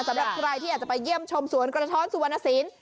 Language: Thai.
สำหรับใครที่อยากจะไปเยี่ยมชมสวนกระท้อนสุวรรณสิน